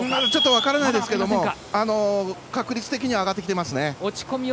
分からないですけども確率的には上がってきています。